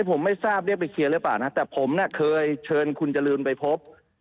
ผมไม่ทราบเรียกไปเคลียร์หรือเปล่านะแต่ผมเนี่ยเคยเชิญคุณจรูนไปพบ